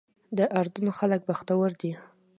د اردن خلک بختور دي.